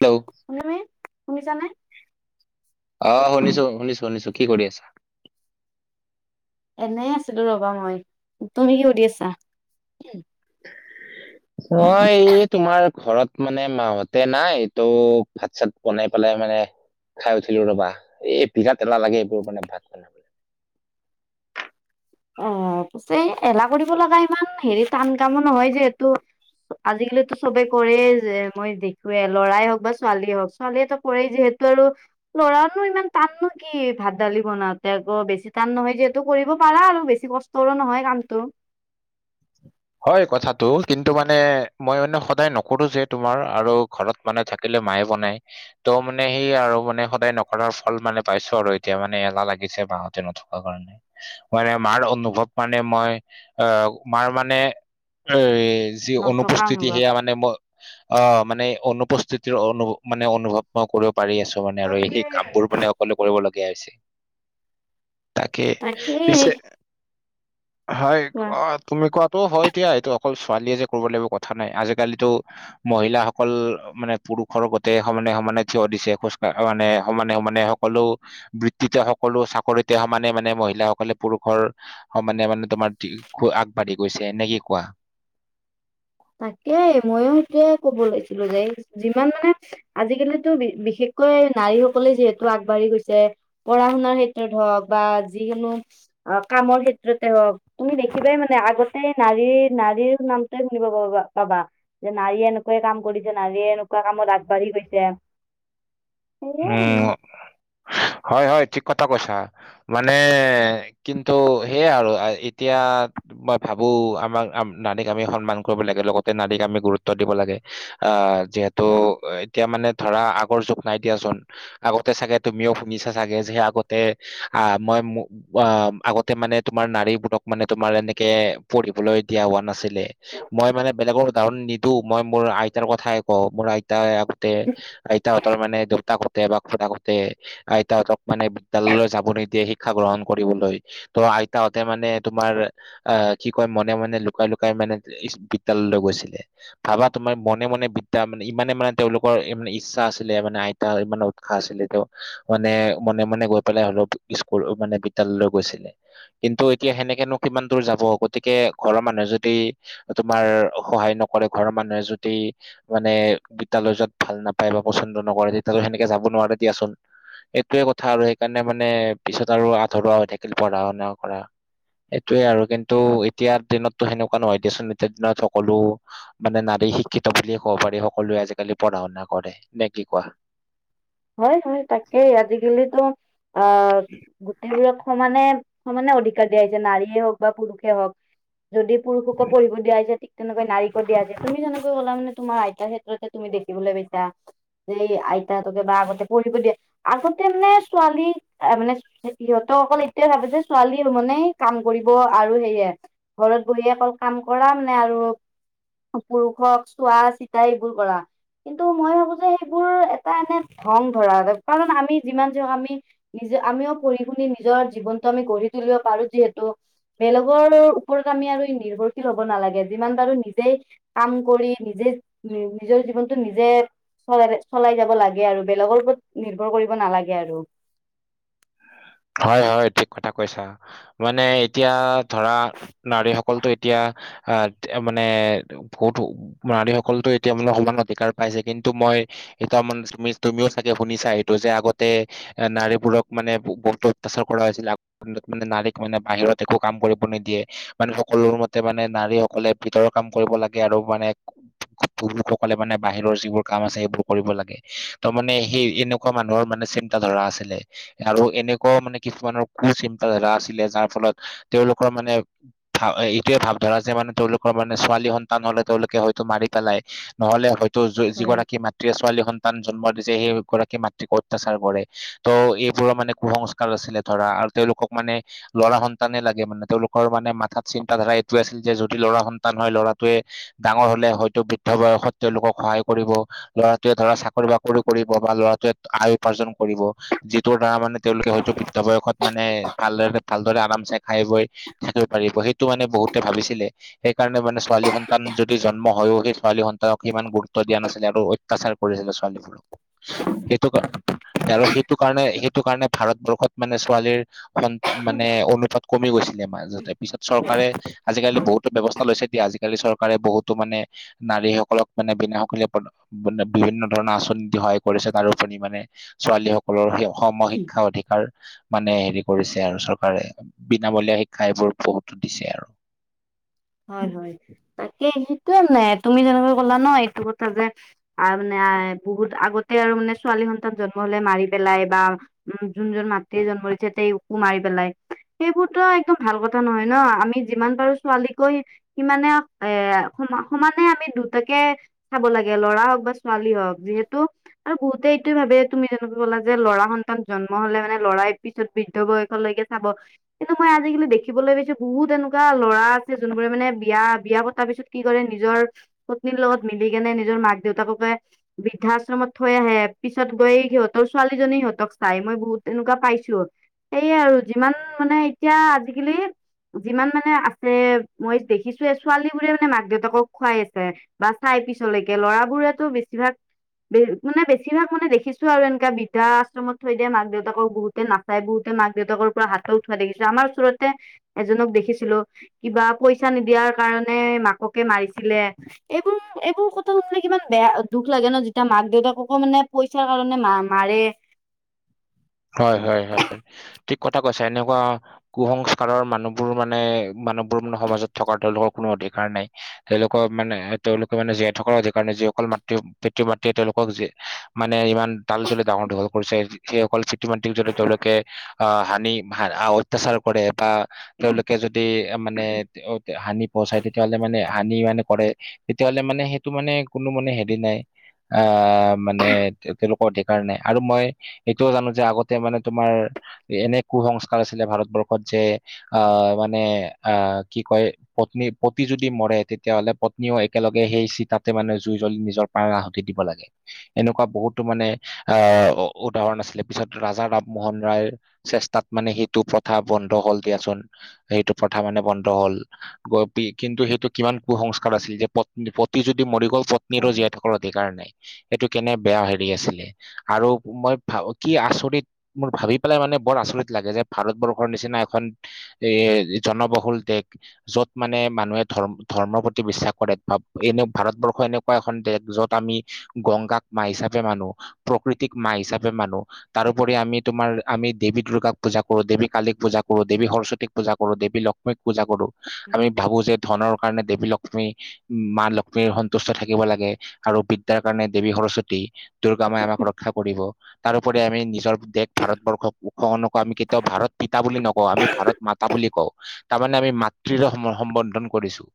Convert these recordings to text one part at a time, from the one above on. Hello শুনমি শুনিছানে? অ শুনিছো শুনিছো শুনিছো। কি কৰি আছা? এনেই আছিলো ৰবা মই। তুমি কি সুধি আছা? মই এই তোমাৰ ঘৰত মানে মাহতে নাই ত ভাত চাত বনাই পেলাই মানে খাই উঠিলো ৰবা। এ বিৰাট এলা লাগে এইবোৰ মানে ভাত বনাবলে। অ পছে এলাহ কৰিব লগা ইমান হেৰি টান কামো নহয়, যিহেতু আজিকালিটো চবে কৰেই যে মই দেখোৱে লৰাই হওক বা ছোৱালীয়ে হওক ছোৱালীয়ে ত কৰেই যিহেত- তৰু ল'ৰানো ইমান টান ন কি ভাত দালি বনাওঁতে আকৌ বেছি টান নহয় যিহেতু কৰিব পাৰা আৰু। বেছি কষ্টৰো নহয় কামটো। হয় কথাটো কিন্তু মানে মই মানে সদায় নকৰো যে তোমাৰ আৰু ঘৰত মানে থাকিলে মায়ে বনাই। ত মানে সেই আৰু মানে সদায় নকৰাৰ ফল মানে পাইছো আৰু এতিয়া মানে এলাহ লাগিছে মাহতে নথক- অ কাৰণে মানে মাৰ অনুভৱ মানে মই আহ মাৰ মানে এ যি নথকা অনুপস্থিতি অনুভৱ সেয়া মানে ম- অ মানে অনুপস্থিতিৰ অনুভৱ মানে অনুভৱ মই কৰিব পাৰি আছো। মানে আৰু সেই কামবোৰ মানে অকলে কৰিবলগীয়া হৈছে। তাকে তাকেই পিছে হয় কোৱা অ তুমি কোৱাটো হয় এতিয়া এইটো অকল ছোৱালীয়ে যে কৰিব লাগিব কথা নাই আজিকালিতো মহিলাসকল মানে পুৰুষৰ গতে সমানে সমানে থিয় দিছে খোজ কঢ়া মানে সমানে সমানে সকলো বৃত্তিতে সকলো চাকৰিতে সমানে মানে মহিলাসকলে পুৰুষৰ অ মানে মানে তোমাৰ আগবাঢ়ি গৈছে নে কি কোৱা? তাকে ময়ো সেটোৱে ক'ব লৈছিলো যে যিমান মানে আজিকালিতো বিশেষকৈ নাৰীসকলে যিহেতু আগবাঢ়ি গৈছে। পঢ়া শুনাৰ ক্ষেত্ৰত হওক বা যিকোনো অ কামৰ ক্ষেত্ৰতে হওক তুমি দেখিবাই মানে আগতে নাৰীৰ নাৰীৰ নামটোৱে কিনো কবা, পাবা, যে নাৰীয়ে এনেকুৱে কাম কৰিছে, নাৰীয়ে এনেকুৱা কামত আগবাঢ়ি গৈছে', মানে উম', হয়', - হয়', ঠিক কথা কৈছা', মানে, কিন্তু সেয়াই আৰু এতিয়া', মই ভাবোঁ, আমাক- আম', নাৰীক আমি সন্মান কৰিব লাগে লগতে নাৰীক আমি গুৰুত্ব দিব লাগে', আহ', যিহেতু এতিয়া মানে ধৰা আগৰ যুগ নাই দিয়াচোন', আগতে চাগে তুমিও শুনিছা চাগে যে আগতে আহ মই অ আগতে মানে তোমাৰ নাৰীবোৰক মানে তোমাৰ এনেকে পঢ়িবলৈ দিয়া হোৱা নাছিলে। মই মানে বেলেগৰ উদাহৰণ নিদো মই মোৰ আইতাৰ কথাই কওঁ। মোৰ আইতাই তে আইতাহঁতৰ মানে দেউতাহঁতে বা খুড়াহঁতে আইতাহতক মানে বিদ্যালয়লৈ যাব নিদিয়ে শিক্ষা গ্ৰহণ কৰিবলৈ ত, ' আইতাহঁতে মানে তোমাৰ', আহ', কি কয়, মনে', - মনে', লুকাই ', -লুকাই', মানে ইছ বিদ্যালয়লৈ গৈছিলে', ভাবা তোমাৰ মনে', - মনে', বিদ্যা মানে ইমানে মানে তেওঁলোকৰ এ', মানে ইচ্ছা আছিলে মানে আই', তাৰমানে উৎসাহ আছিলে তেওঁ', মানে মনে', -মনে', গৈ পেলাই হ'লেও স্কুল মানে বিদ্যালয় গৈছিলে', কিন্তু এতিয়া সেনেকেনো কিমান দূৰ যাব, গতিকে ঘৰৰ মানুহে যদি', তোমাৰ সহায় নকৰে ঘৰৰ মানুহে যদি', মানে বিদ্যালয় যোৱাত ভাল নাপায় বা পছন্দ নকৰে তেতিয়াতো সেনেকে যাব নোৱাৰে দিয়াচোন', এইটোৱে কথা আৰু সেইকাৰণে মানে পিছত আৰু আধৰুৱা হৈ থাকিল পঢ়া-শুনা কৰা', সেইটোয়ে আৰু কিন্তু এতিয়া দিনতো সেনেকুৱা নহয় দিয়াচোন এতিয়া দিনত সকলো', মানে নাৰী শিক্ষিত বুলিয়ে ক'ব পাৰি সকলোৱে আজিকালি পঢ়া-শুনা কৰে, নে কি কোৱা? হয়', - হয়', তাকেই আজিকালিতো আহ', গোটেইবোৰক সমানে', সমানে অধিকাৰ দিয়া হৈছে, নাৰীয়ে হওঁক বা পুৰুষে হওঁক, যদি পুৰুষকো পঢ়িব দিয়া হৈছে ঠিক', তেনেকৈ নাৰীকো দিয়া যে তুমি যেনেকৈ ক'লা মানে তোমাৰ আইতাৰ ক্ষেত্ৰতে তুমি দেখিবলৈ পাইছা', যে আইতাহঁতকে বা আগতে পঢ়িব দিয়ে, আগতে মানে ছোৱালী অ', মানে', সিহঁতৰ অকল এতিয়ায়ে ভাবিছে ছোৱালী মানে কাম কৰিব আৰু সেয়ে', ঘৰত বহিয়েই অকল কাম কৰা মানে আৰু', পুৰুষক চোৱা চিতা এইবোৰ কৰা, কিন্তু মই ভাবোঁ যে সেইবোৰ এট', এটা এনে ধং ধৰা কাৰণ আমি যিমান যি হয় আমি', নিজে, আমিও পঢ়ি-শুনি নিজৰ জীৱনটো আমি গঢ়ি তুলিব পাৰোঁ যিহেতু', বেলেগৰ ওপৰত আমি আৰু নিৰ্ভৰশীল হ'ব নালাগে যিমান পাৰোঁ নিজেই কাম কৰি', নিজে- নিজৰ জীৱনটো নিজে চলাই-চলাই যাব', যাব লাগে আৰু বেলেগৰ ওপৰত নিৰ্ভৰ কৰিব নালাগে আৰু', হয়', - হয়', ঠিক কথা কৈছা, মানে এতিয়া', ধৰা নাৰীসকলতো এতিয়া আহ', মানে', বহুতো, নাৰীসকলতো এতিয়া মানে সমান অধিকাৰ পাইছে কিন্তু মই', এতিয়াও মানত আছে তুমি- তুমিও চাগে শুনিছা এইটো যে আগতে এ', নাৰীবোৰক মানে বহু-বহু', ত', অত্যাচাৰ কৰা হৈছিলে আগ', নাৰীক মানে বাহিৰত একো কাম কৰিব নিদিয়ে', মানুহসকলো মতে মানে নাৰীসকলে ভিতৰৰ কাম কৰিব লাগে আৰু মানে', পুৰুষসকলে মানে বাহিৰৰ যিবোৰ কাম আছে সেইবোৰ কৰিব লাগে', ত', মানে সেই এনেকুৱা মানুহৰ মানে চিন্তা ধাৰা আছিলে আৰু এনেকু', কয় মানে কিছুমানৰ কু চিন্তাধাৰা আছিলে যাৰ ফলত তেওঁলোকৰ মানে', ভা', - এ', - এইটোয়েই ভাৱ ধৰা যে মানে তেওঁলোকৰ মানে ছোৱালী সন্তান হ'লে তেওঁলোকে হয়তো মাৰি পেলাই', নহ'লে হয়তো হয়। যিগৰাকী মাত', মাতৃয়ে ছোৱালী সন্তান জন্ম দিছে সেই গৰাকী মাতৃক অত্যাচাৰ কৰে, ত, ' এইবোৰৰ মানে কুসংস্কা', সংস্কাৰ আছিলে ধৰা আৰু তেওঁলোকক মানে', ল'ৰা সন্তানে লাগে মানে তেওঁলোকৰ মানে মাথাত চিন্তাধাৰা এইটোৱে আছিল যে যদি ল'ৰা সন্তান হয় ল'ৰাটোৱেই', ডাঙৰ হ'লে হয়তো বৃদ্ধ বয়সত তেওঁলোকক সহায় কৰিব', ল'ৰাটোৱে ধৰা চাকৰি-বাকৰি কৰিব বা ল'ৰাটোৱে আয় উপাৰ্জন কৰিব যিটোৰ দ্বাৰা মানে তেওঁ', তেওঁ বৃদ্ধা বয়সত মানে ভালদৰে-ভালদৰে আৰামচে খাই বৈ', থাকিব পাৰিব সেইটো মানে বহুতে ভাবিছিলে', সেইকাৰণে মানে ছোৱালী সন্তান যদি জন্ম হয়ও সেই ছোৱালী সন্তানক ইমান গুৰুত্ব দিয়া নাছিলে আৰু অত্যাচাৰ', কৰিছে যে ছোৱালীবোৰক সেইটো কা', আৰু সেইটো কাৰণে - সেইটো কাৰণে ভাৰতবৰ্ষ', ইয়াত মানে ছোৱালীৰ স মানে অনুপাত কমি গৈছে। মাজতে পিছত চৰকাৰে আজিকালি বহুত ব্যৱস্থা লৈছে দিয়া আজিকালি চৰকাৰে বহুতো মানে নাৰী সকলক মানে বিনা সকীয়া', মানে বিভিন্ন ধৰণৰ আঁচনি দি সহায় কৰিছে তাৰোপৰি মানে ছোৱালী সকলৰ সেয়া', সম শিক্ষা অধিকাৰ মানে হেৰি কৰিছে আৰু চৰকাৰে বিনামূলীয়া শিক্ষা এইবোৰ বহুতো দিছে আৰু৷ হয়-হয় তাকে সেইটোয়ে নে তুমি যেনেকৈ ক'লা ন এইটো কথা যে আৰু মানে বহুত আগতে আৰু মানে ছোৱালী সন্তান জন্ম হলে মাৰি পেলাই বা উম যোন জন নাতি জন্ম হৈছে তেওঁ মাৰি পেলাই সেইবোৰতো একদম ভাল কথা নহয় ন আমি যিমান পাৰো ছোৱালীক গৈ সমানে এ সম সমানে আমি দুটাকে চাব লাগে ল'ৰা হওক বা ছোৱালী হওক যিহেতু আৰু বহুতে এইটোয়ে ভাবে তুমি যেনেকৈ কলা যে লৰা সন্তান জন্ম হলে মানে লৰাই পিছত বৃদ্ধ বয়সলৈকে চাব কিন্তু মই আজিকালি দেখিবলৈ ভাবিছো বহুত এনেকুৱা ল'ৰা যোনবোৰে মানে বিয়া বিয়া পতাৰ পিছত কি কৰে নিজৰ পত্নীৰ লগত মিলি কেনে নিজৰ মাক দেউতাককে বৃদ্ধাশ্ৰমত থৈ আহে পিছত গৈ সিহঁতৰ ছোৱালীজনী সিহঁতক চাই মই বহুত তেনেকুৱা পাইছো। সেয়া আৰু যিমান মানে এতিয়া আজিকালি যিমান মানে আ এ মই দেখিছো এ ছোৱালী বোৰে মানে মাক দেউতাকক খুৱাই আছে৷ বা চাই পিছলৈকে ল'ৰাবোৰেতো বেছিভাগ ব মানে বেছিভাগ মানে দেখিছো আৰু এনেকা বৃদ্ধাশ্ৰমত থৈ দিয়ে মাক দেউতাকক বহুতে না চাই বহুতে মাক দেউতাকৰ পৰা হাতত উঠোৱা দেখিছিলো আমাৰ ওচৰতে এজনক দেখিছিলো কিবা পইচা নিদিয়াৰ কাৰণে মাককে মাৰিছিলে। এইবোৰ-এইবোৰ কথা শুনিলে কিমান বেয়া দুখ লাগে ন যেতিয়া মাক দেউতাককো মানে পইচাৰ কাৰণে মা মাৰে। হয়-হয়-হয় ঠিক কথা কৈছ এনেকুৱা কুসংস্কাৰৰ মানুহবোৰ মানে মানুহবোৰ মানে সমাজত থকা তেওঁলোকৰ কোনো অধিকাৰ নাই। তেওঁলোকৰ মানে তেওঁলোকে মানে জীয়াই থকাৰ অধিকাৰ যিসকল মাতৃ পিতৃ মাতৃয়ে তেওঁলোকক জীয়ে মানে ইমান তালি তুলি ডাঙৰ দীঘল কৰিছে সেইসকল ইমান কিজনে তেওঁলোকে আহ হানি অত্যাচাৰ কৰে বা তেওঁলোকে যদি মানে হানি বচাই তেতিয়াহলে মানে হানি মানে কৰে তেতিয়াহ'লে মানে সেইটো মানে কোনো মানে হেৰি নাই৷ আহ মানে তেওঁলোকৰ অধিকাৰ নাই আৰু মই এইটোও জানো যে আগতে মানে তোমাৰ এনে কুসংস্কাৰ আছিলে ভাৰতবৰ্ষত যে অ মানে আ কি কয় পত্নী পতি যদি মৰে তেতিয়াহ'লে পত্নীও একেলগে সেই চিতাতে মানে জুই জ্বলি নিজক প্ৰাণ আহুতি দিব লাগে এনেকুৱা বহুতো মানে আহ উদাহৰণ আছিলে৷ পিছত ৰাজা ৰামমোহন ৰায়ৰ চেষ্টাত মানে সেইটো প্ৰথা বন্ধ হল দিয়াচোন৷ সেইটো প্ৰথা মানে বন্ধ হ'ল৷ ক কি কিন্তু সেইটো কিমান কুসংস্কাৰ আছিল যে পত্নী পতি যদি মৰি গ'ল প পত্নীৰো জীয়াই থকাৰ অধিকাৰ নাই এইটো কেনে বেয়া হেৰি আছিলে আৰু মই ভা কি আচৰিত মোৰ ভাবি পেলাই মানে বৰ আচৰিত লাগে যে ভাৰতবৰ্ষৰ নিচিনা এখন এ জনবহুল দেশ য'ত মানে মানুহে ধৰ্ম ধৰ্মৰ প্ৰতি বিশ্বাস কৰে বা এনে ভাৰতবৰ্ষ এনে এখন দেশ যত আমি গংগাক মা হিচাপে মানো প্ৰকৃতিক মা হিচাপে মানো। তাৰোপৰি আমি তোমাৰ আমি দেৱী দুৰ্গাক পূজা কৰো দেৱী কালীক পূজা কৰো দেৱী সৰস্বতীক পূজা কৰো দেৱী লক্ষ্মীক পূজা কৰো আমি ভাবো যে ধনৰ কাৰণে দেৱী লক্ষ্মী মা লক্ষ্মীৰ সন্তুষ্ট থাকিব লাগে আৰু বিদ্যাৰ কাৰণে দেৱী সৰস্বতী। দুৰ্গা মায়ে আমাক ৰক্ষা কৰিব। তাৰোপৰি আমি নিজৰ দেশ ভাৰতবৰ্ষক উষ নকওঁ আমি কেতিয়াও ভাৰত পিতা বুলি নকওঁ আমি ভাৰত মাতা বুলি কওঁ। তাৰমানে আমি মাতৃৰে সম সম্বৰ্ধন কৰিছো।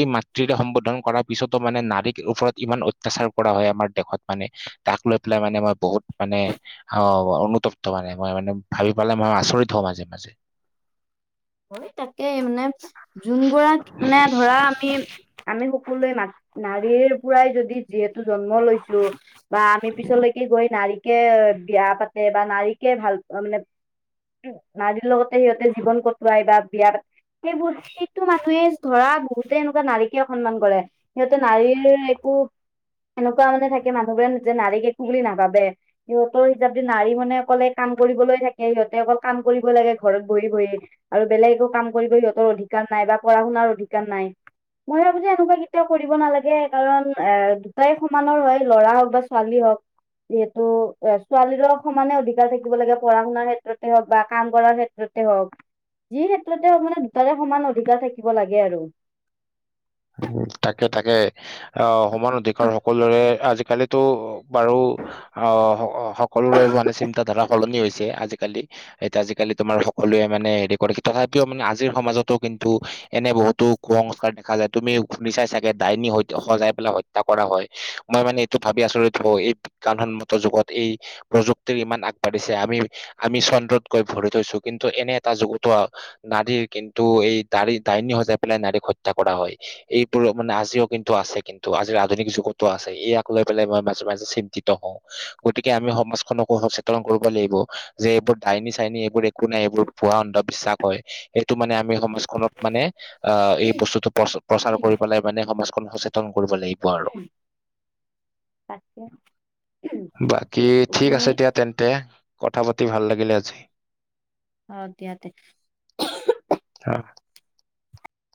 এই মাতৃৰে সম্বোধন কৰাৰ পিছতো মানে নাৰীৰ ওপৰত ইমান অত্যাচাৰ কৰা হয় আমাৰ দেশত মানে। তাক লৈ পেলাই মানে মই বহুত মানে অ অনুতপ্ত মানে মই মানে ভাবি পালে মান আচৰিত হওঁ মাজে মাজে। হয় তাকেই মানে যোন গৰাক মানে ধৰা আমি আমি সকলোৱে মা নাৰীৰ পৰাই যদি যিহেতু জন্ম লৈছো। বা আমি পিছলৈকে গৈ নাৰীকে বিয়া পাতে বা নাৰীকে ভাল মানে নাৰীৰ লগতে সিহঁতে জীৱন কটোৱাই বা বিয়াত সেইবোৰ সেইটো মানুহে ধৰা বহুতে এনেকুৱা নাৰিকে অসন্মান কৰে। সিহঁতে নাৰীৰ একো এনেকুৱা মানে থাকে মানুহবোৰে যে নাৰীক একো বুলি নাভাবে। সিহঁতৰ হিচাপ দি নাৰী মানে অকলে কাম কৰিবলৈ থাকে সিহঁতে অকল কাম কৰিব লাগে ঘৰত বহি বহি। আৰু বেলেগ একো কাম কৰিব সিহঁতৰ অধিকাৰ নাই বা পঢা শুনাৰ অধিকাৰ নাই। মৰা মৰি এনেকুৱা কেতিয়াও কৰিব নালাগে কাৰণ এ দুটাই সমানৰ হয় ল'ৰা হওক বা ছোৱালী হওক। যিহেতু এ ছোৱালীৰো সমানে অধিকাৰ থাকিব লাগে পঢ়া শুনাৰ ক্ষেত্ৰতে হওক বা কাম কৰাৰ ক্ষেত্ৰ তে হওক। যি ক্ষেত্ৰতে মানে দুটাৰে সমান অধিকাৰ থাকিব লাগে আৰু। তাকে তাকে আহ সমান অধিকাৰ সকলোৰে আজিকালি তো বাৰু অ সকলোৰে মানে চিন্তাধাৰা সলনি হৈছে আজিকালি। এতিয়া আজিকালি তোমাৰ সকলোৱে মানে হেৰি কৰে তথাপিও মানে আজিৰ সমাজতো কিন্তু এনে বহুতো কু সংস্কাৰ দেখা যায়, তুমি শুনিচাই চাগে ডাইনী সজাই পেলাই হত্যা কৰা হয়। মই মানে এইটো ভাবি আচৰিত হওঁ বিজ্ঞান সন্মত যুগত এই প্ৰযুক্তিৰ ইমান আগবাঢ়িছে আমি আমি চন্দ্ৰত গৈ ভৰি থৈছো। কিন্তু এনে এটা যুগতো নাৰীৰ কিন্তু এই দাৰি দাইনী সজাই পেলাই নাৰীক হত্যা কৰা হয়। এইবোৰ মানে আজিও কিন্তু আছে, কিন্তু আজিৰ আধুনিক যুগতো আছে ইয়াক লৈ পেলাই মই মাজে মাজে চিন্তিত হওঁ। গতিকে আমি সমাজখনকো সচেতন কৰিব লাগিব। যে এইবোৰ দাইনী চাইনী এইবোৰ একো নাই,। এইবোৰ পোৱা অন্ধবিশ্বাস হয়। সেইটো মানে আমি সমাজখনত মানে- অ এই বস্তুটো প্ৰ প্ৰচাৰ কৰি পেলাই মানে সমাজখন সচেতন কৰিব লাগিব। আৰু উম তাকে। বাকী ঠিক তুমি আছে দিয়া তেন্তে কথা পাতি ভাল লাগিলে আজি। অ দিয়া অ।